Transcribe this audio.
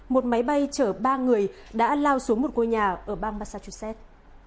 một máy bay chở ba người đã lao xuống một ngôi nhà ở bang massachusett